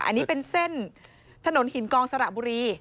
อันนี้เป็นเส้นถนนหินกองสระบุรี